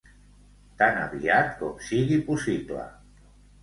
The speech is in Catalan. Tan aviat com sigui possible.